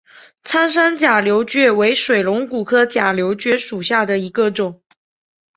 苍山假瘤蕨为水龙骨科假瘤蕨属下的一个种。